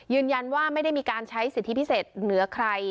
ยืนยันว่าไม่ได้มีการใช้สิทธิพิเศษเหนือใคร